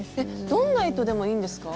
どんな糸でもいいんですか？